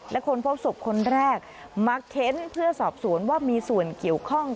และคนพบศพคนแรกมาเค้นเพื่อสอบสวนว่ามีส่วนเกี่ยวข้อง